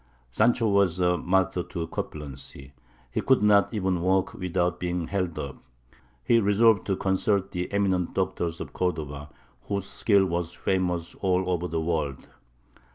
Sancho was a martyr to corpulency; he could not even walk without being held up. He resolved to consult the eminent doctors of Cordova, whose skill was famous over all the world.